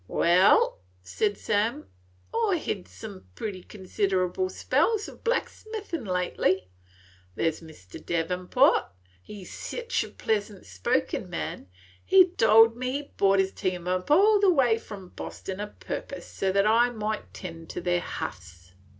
" "Wal," said Sam, "I 've hed some pretty consid'able spells of blacksmithin' lately. There 's Mr. Devenport, he 's sech a pleasant spoken man, he told me he brought his team all the way up from Bostin a purpose so that I might 'tend to their huffs.